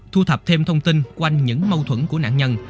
thu thập thêm thông tin quanh những mâu thuẫn của nạn nhân